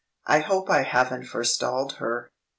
I hope I haven't forestalled her.